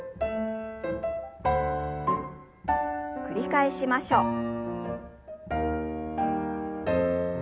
繰り返しましょう。